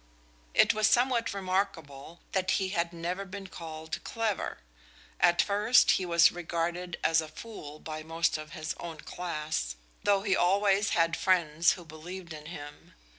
It was somewhat remarkable that he had never been called clever. At first he was regarded as a fool by most of his own class, though he always had friends who believed in him.